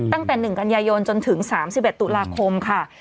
ตั้งแต่๑กันยายนจนถึง๓๑ตุลาคมค่ะ